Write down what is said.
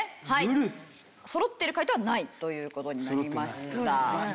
そろってる解答はないという事になりました。